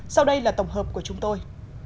sau đây là tổng hợp của chúng tôi